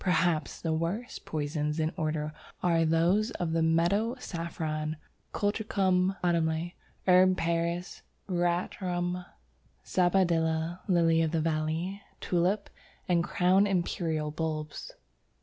Perhaps the worst poisons in this order are those of the Meadow Saffron (Colchicum autumnale), Herb Paris, Veratrum, Sabadilla, Lily of the Valley, Tulip, and Crown Imperial bulbs.